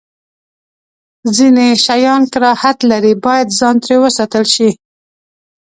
ځینې شیان کراهت لري، باید ځان ترې وساتل شی.